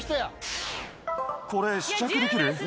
これ、試着できる？